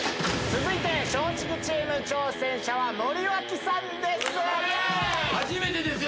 続いて松竹チーム挑戦者は森脇さんです。